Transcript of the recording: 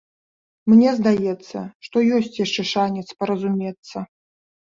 Мне здаецца, што ёсць яшчэ шанец паразумецца.